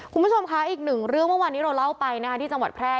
คุณผู้ชมคะอีกหนึ่งเรื่องเมื่อวานนี้เราเล่าไปนะคะที่จังหวัดแพร่